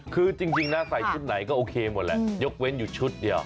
คือจริงนะใส่ชุดไหนก็โอเคหมดแหละยกเว้นอยู่ชุดเดียว